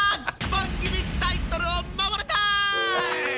番組タイトルを守れた！